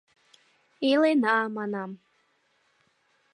— Илена, — манам.